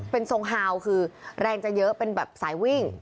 เป็นทรงฮาวคือแรงจะเยอะเป็นแบบสายวิ่ง